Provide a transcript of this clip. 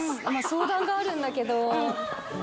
相談があるんだけど。